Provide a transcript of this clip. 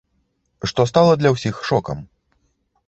Што стала для ўсіх шокам.